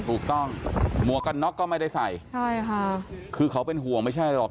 ถูกต้องหัวกับนอคก็ไม่ได้ใส่คือเขาเป็นห่วงไม่ใช่หรอก